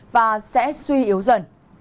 và sẽ suy yếu dần